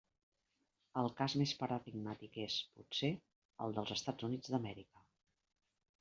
El cas més paradigmàtic és, potser, el dels Estats Units d'Amèrica.